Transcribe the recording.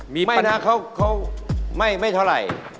มีปัญหาเขาไม่เท่าไร